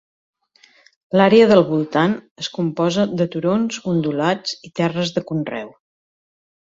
L'àrea del voltant es composa de turons ondulats i terres de conreu.